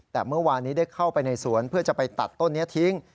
แต่เมื่อวานนี้ได้เข้าไปในสวนเพื่อจะไปตัดต้นนี้ทิ้ง